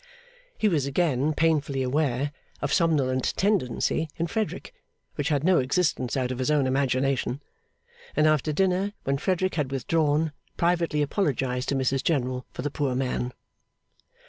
He was again painfully aware of a somnolent tendency in Frederick (which had no existence out of his own imagination), and after dinner, when Frederick had withdrawn, privately apologised to Mrs General for the poor man.